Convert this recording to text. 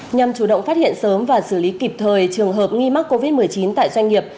nhằm chủ động phát hiện sớm và xử lý kịp thời trường hợp nghi mắc covid một mươi chín tại doanh nghiệp